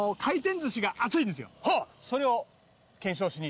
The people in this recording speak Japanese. それを検証しに。